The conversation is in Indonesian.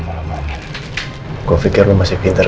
gue pikir lu masih pintar